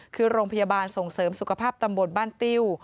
คือโรงพยาบาลส่งเสริมสุขภาพตำบลบ้านติ้ว